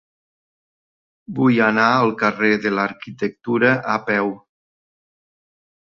Vull anar al carrer de l'Arquitectura a peu.